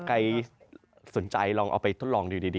ใครสนใจลองเอาไปทดลองดูดี